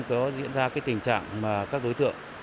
có diễn ra cái tình trạng mà các đối tượng